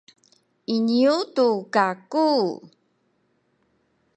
iniyu tu kaku